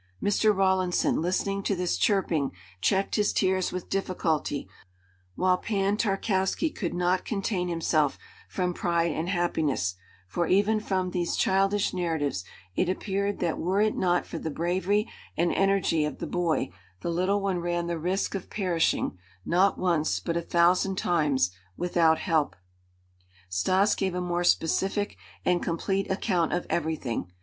Mr. Rawlinson, listening to this chirping, checked his tears with difficulty, while Pan Tarkowski could not contain himself from pride and happiness, for even from these childish narratives it appeared that were it not for the bravery and energy of the boy the little one ran the risk of perishing, not once but a thousand times, without help. Stas gave a more specific and complete account of everything.